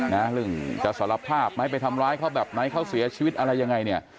เรื่องจะสารภาพไหมไปทำร้ายเขาแบบไหนเขาเสียชีวิตอะไรยังไงเนี่ย